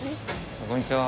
こんにちは。